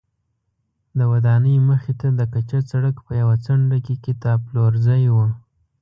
د ودانۍ مخې ته د کچه سړک په یوه څنډه کې کتابپلورځی و.